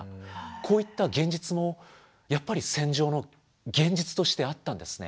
こういった現実もやっぱり戦場の現実としてあったんですね。